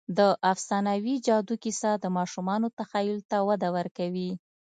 د افسانوي جادو کیسه د ماشومانو تخیل ته وده ورکوي.